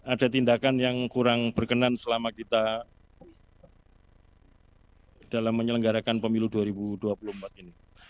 ada tindakan yang kurang berkenan selama kita dalam menyelenggarakan pemilu dua ribu dua puluh empat ini